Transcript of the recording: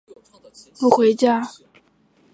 你为什么不回家？